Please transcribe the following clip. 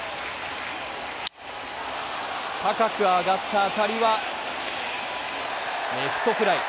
高く上がった当たりはレフトフライ。